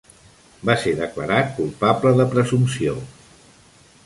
Va ser declarat culpable de presumpció.